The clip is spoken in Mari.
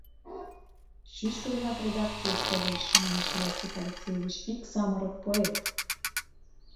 «Чӱчкыдынак редакцийыш толеш, — манеш Иосиф Алексеевич, — ик самырык поэт.